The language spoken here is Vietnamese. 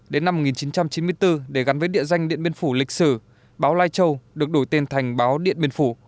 đến năm một nghìn chín trăm chín mươi bốn để gắn với địa danh điện biên phủ lịch sử báo lai châu được đổi tên thành báo điện biên phủ